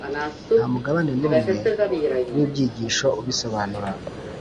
ntamugabane numwe wibyigisho ubisobanura